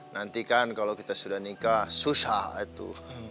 nanti kan kalau kita sudah nikah susah itu